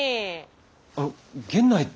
あの源内って。